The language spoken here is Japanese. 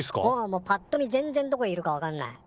もうパッと見全然どこいるか分かんない。